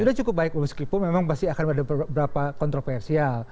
sudah cukup baik meskipun memang pasti akan ada beberapa kontroversial